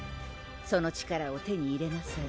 「その力を手に入れなさい